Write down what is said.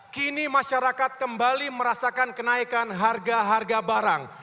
kini masyarakat kembali merasakan kenaikan harga harga barang